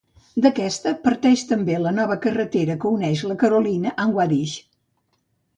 D'aquesta parteix també la nova carretera que uneix La Carolina amb Guadix.